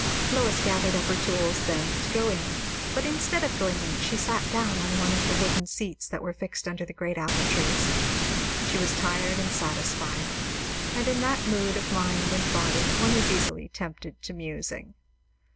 Lois gathered up her tools then, to go in, but instead of going in she sat down on one of the wooden seats that were fixed under the great apple trees. She was tired and satisfied; and in that mood of mind and body one is easily tempted to musing.